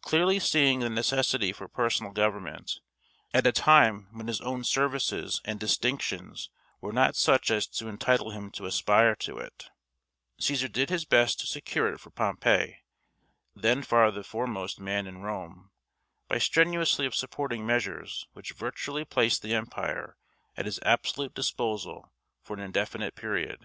Clearly seeing the necessity for personal government, at a time when his own services and distinctions were not such as to entitle him to aspire to it, Cæsar did his best to secure it for Pompey, then far the foremost man in Rome, by strenuously supporting measures which virtually placed the empire at his absolute disposal for an indefinite period.